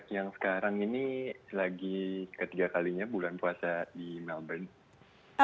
yang sekarang ini lagi ketiga kalinya bulan puasa di melbourne